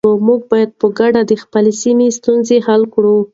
موږ به په ګډه د خپلې سیمې ستونزې حل کړو.